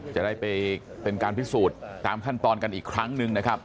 จะได้ไปเป็นการพิสูจน์ตามขั้นตอนกันอีกครั้งหนึ่งนะครับ